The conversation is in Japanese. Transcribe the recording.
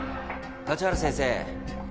立原先生